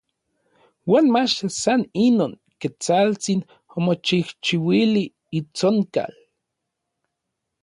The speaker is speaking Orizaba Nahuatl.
Uan mach san inon, Ketsaltsin omochijchiuili itsonkal.